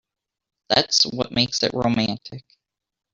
That's what makes it romantic.